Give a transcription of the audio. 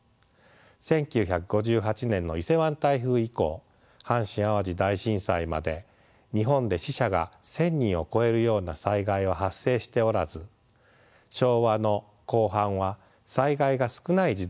１９５８年の伊勢湾台風以降阪神・淡路大震災まで日本で死者が１，０００人を超えるような災害は発生しておらず昭和の後半は災害が少ない時代でした。